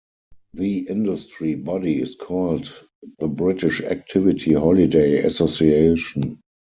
The industry body is called the British Activity Holiday Association.